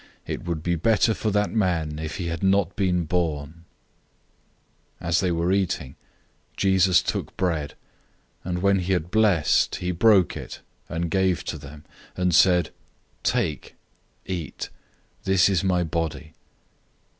It would be better for that man if he had not been born." 014:022 As they were eating, Jesus took bread, and when he had blessed, he broke it, and gave to them, and said, "Take, eat. This is my body."